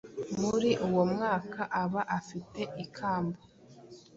muri uwo mwaka aba afite ikamba